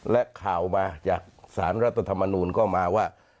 และข่าวมาจากสารรัฐธรรมนูลก็มาว่า